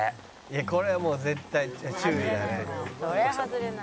「これはもう絶対注意だね」